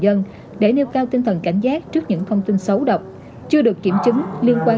dân để nêu cao tinh thần cảnh giác trước những thông tin xấu độc chưa được kiểm chứng liên quan